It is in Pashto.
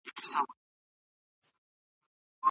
دا هغه لار ده چي موږ یې باید تعقیب کړو.